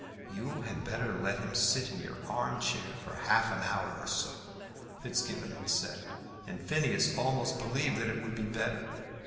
"You had better let him sit in your armchair for half an hour or so," Fitzgibbon had said; and Phineas almost believed that it would be better.